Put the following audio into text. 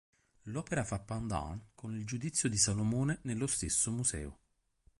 L'opera fa "pendant" con il "Giudizio di Salomone" nello stesso museo.